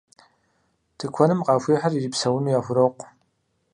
Тыкуэным къахуихьыр ирипсэуну яхурокъу.